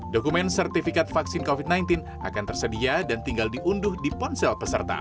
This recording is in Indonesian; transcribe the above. dokumen sertifikat vaksin covid sembilan belas akan tersedia dan tinggal diunduh di ponsel peserta